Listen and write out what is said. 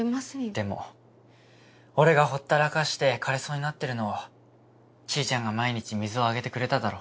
でも俺がほったらかして枯れそうになってるのをちーちゃんが毎日水をあげてくれただろ。